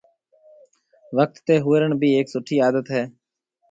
وقت تي هويرڻ بي هيَڪ سُٺِي عادت هيَ۔